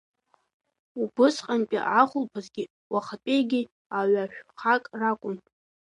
Убысҟантәи ахәылԥазгьы уахатәигьы аҩашәхак ракәын.